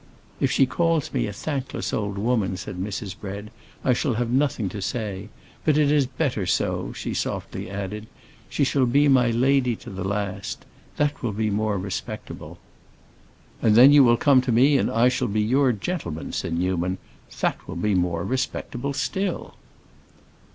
"If she calls me a thankless old woman," said Mrs. Bread, "I shall have nothing to say. But it is better so," she softly added. "She shall be my lady to the last. That will be more respectable." "And then you will come to me and I shall be your gentleman," said Newman; "that will be more respectable still!"